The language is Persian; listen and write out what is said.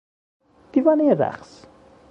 دیوانهی رقص